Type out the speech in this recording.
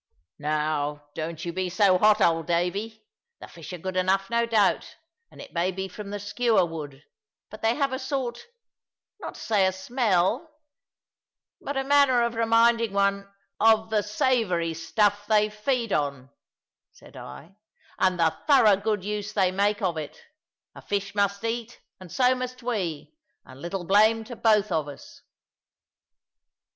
"Now, don't you be so hot, old Davy. The fish are good enough, no doubt; and it may be from the skewer wood; but they have a sort, not to say a smell, but a manner of reminding one " "Of the savoury stuff they feed on," said I; "and the thorough good use they make of it. A fish must eat, and so must we, and little blame to both of us."